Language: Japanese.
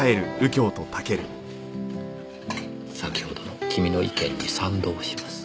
先ほどの君の意見に賛同します。